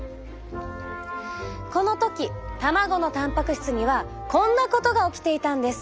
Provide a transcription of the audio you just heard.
この時卵のたんぱく質にはこんなことが起きていたんです。